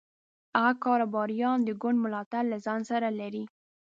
هغه کاروباریان د ګوند ملاتړ له ځان سره لري.